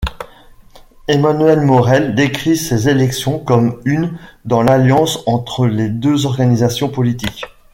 Emmanuel Maurel décrit ces élections comme une dans l'alliance entre les deux organisations politiques.